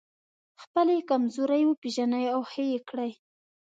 خپلې کمزورۍ وپېژنئ او ښه يې کړئ.